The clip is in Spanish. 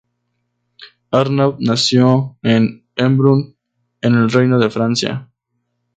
Arnaud nació en Embrun, en el Reino de Francia.